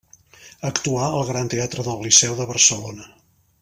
Actuà al Gran Teatre del Liceu de Barcelona.